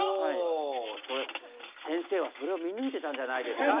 せんせいはそれを見抜いてたんじゃないですか？